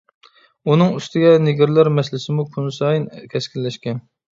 ئۇنىڭ ئۈستىگە نېگىرلار مەسىلىسىمۇ كۈنسايىن كەسكىنلەشكەن.